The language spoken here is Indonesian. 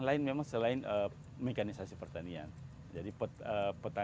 tantangan kita ke depan memang dengan jumlah petani yang ada di dalamnya